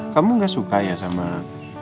kamu gak suka ya sama